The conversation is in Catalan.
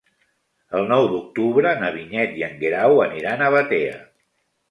El nou d'octubre na Vinyet i en Guerau aniran a Batea.